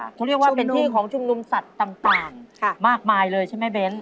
เขาเรียกว่าเป็นที่ของชุมนุมสัตว์ต่างมากมายเลยใช่ไหมเบ้น